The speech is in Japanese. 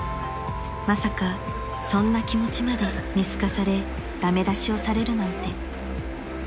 ［まさかそんな気持ちまで見透かされ駄目出しをされるなんて］